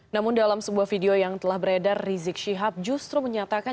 namun dalam sebuah video yang telah beredar rizik syihab justru menyatakan